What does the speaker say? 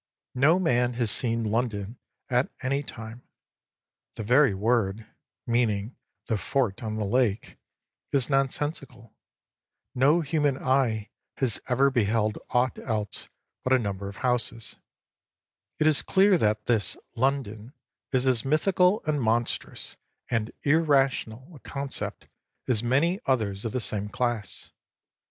No man has seen London at any time; the very word (meaning "the fort on the lake") is non sensical; no human eye has ever beheld aught else but a number of houses; it is clear that this "London" is as mythical and monstrous and irrational a concept as many others of the same class.